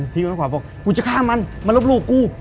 พลิกไปข้างขวาบอกกูจะฆ่ามันมันรบหลูกกู